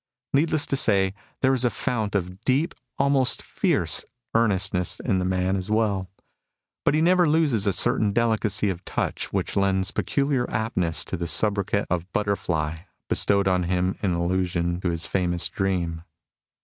Needless to say, there is a fount of deep, almost fierce, earnestness in the man as well. But he never loses a certain delicacy of touch which lends peculiar aptness to the sobriquet of " butterfly," bestowed on him in allusion to his famous dream.